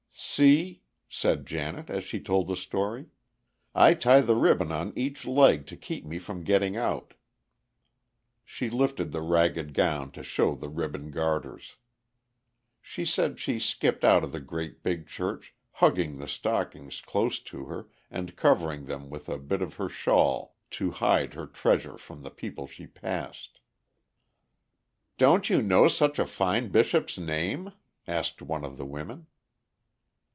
"See!" said Janet, as she told the story, "I tie the ribbon on each leg to keep me from getting out." She lifted the ragged gown to show the ribbon garters. She said she skipped out of the great big church, hugging the stockings close to her and covering them with a bit of her shawl to hide her treasure from the people she passed. "Don't you know such a fine bishop's name?" asked one of the women.